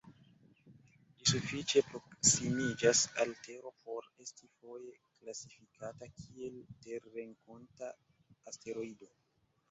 Ĝi sufiĉe proksimiĝas al Tero por esti foje klasifikata kiel terrenkonta asteroido.